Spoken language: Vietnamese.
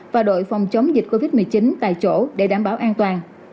và đội phòng chống dịch covid một mươi chín tại chỗ để đảm bảo an toàn